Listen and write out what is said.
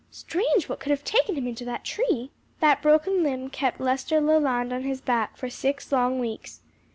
Strange what could have taken him into that tree!" That broken limb kept Lester Leland on his back for six long weeks.